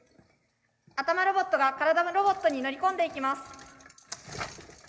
あたまロボットがからだロボットに乗り込んでいきます。